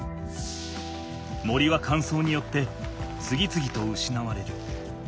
森はかんそうによって次々とうしなわれる。